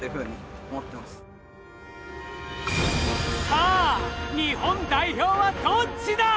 さぁ日本代表はどっちだ